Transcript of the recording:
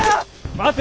待て！